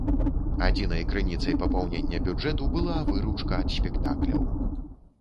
Адзінай крыніцай папаўнення бюджэту была выручка ад спектакляў.